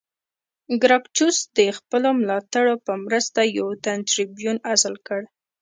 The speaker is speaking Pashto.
ګراکچوس د خپلو ملاتړو په مرسته یو تن ټربیون عزل کړ